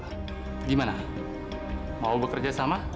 bagaimana mau bekerja sama